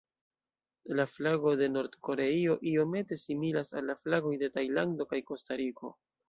La flago de Nord-Koreio iomete similas al la flagoj de Tajlando kaj Kostariko.